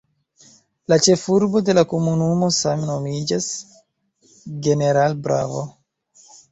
La ĉefurbo de la komunumo same nomiĝas "General Bravo".